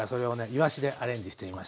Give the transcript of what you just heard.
いわしでアレンジしてみました。